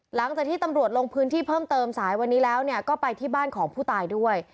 หลังจากที่ตำรวจลงพื้นที่เพิ่มเติมสายวันนี้แล้วก็ไปที่บ้านของผู้ตายด้วย